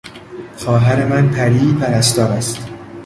خواهر من پری پرستار است.